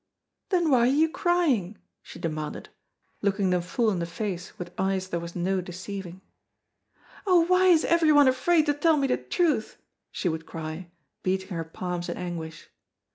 "Then why are you crying?" she demanded, looking them full in the face with eyes there was no deceiving. "Oh, why is everyone afraid to tell me the truth!" she would cry, beating her palms in anguish.